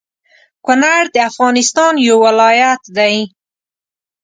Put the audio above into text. کونړ د افغانستان يو ولايت دى